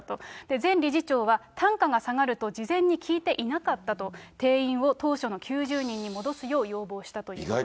前理事長は単価が下がると事前に聞いていなかったと、定員を当初の９０人に戻すよう要望したということです。